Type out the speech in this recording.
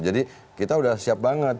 jadi kita udah siap banget